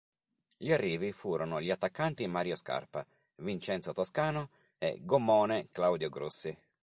Gli arrivi furono gli attaccanti Mario Scarpa, Vincenzo Toscano e "Gommone" Claudio Grossi.